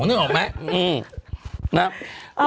นึกออกไหม